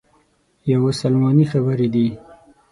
یوه سلماني خبرې دي.